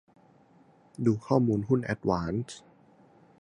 ดูข้อมูลหุ้นแอดวานซ์